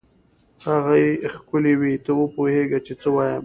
هغوی ښکلې وې؟ ته وپوهېږه چې څه وایم.